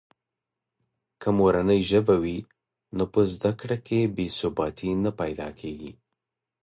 که مورنۍ ژبه وي نو په زده کړه کې بې ثباتي نه پیدا کېږي.